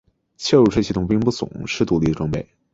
嵌入式系统并不总是独立的设备。